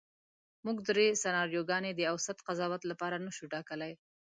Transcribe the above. موږ درې سناریوګانې د اوسط قضاوت لپاره نشو ټاکلی.